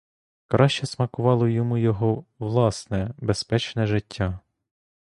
Краще смакувало йому його власне безпечне життя.